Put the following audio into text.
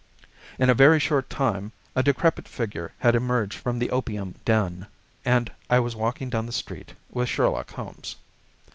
In a very short time a decrepit figure had emerged from the opium den, and I was walking down the street with Sherlock Holmes.